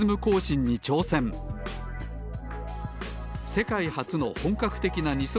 せかいはつのほんかくてきな２そくほ